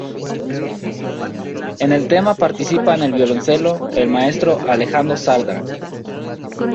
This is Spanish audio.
En el tema participa en el violoncelo, el maestro Alejandro Sardá.